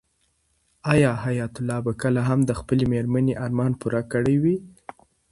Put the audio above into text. آیا حیات الله به کله هم د خپلې مېرمنې ارمان پوره کړی وي؟